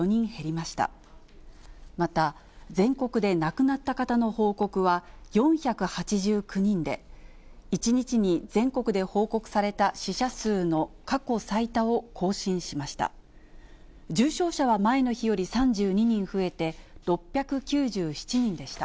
また全国で亡くなった方の報告は、４８９人で、１日に全国で報告された死者数の過去最多を更新しました。